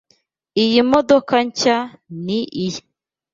Iyi modoka nshya ni iye.